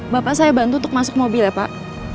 bapak saya bantu untuk masuk mobil ya pak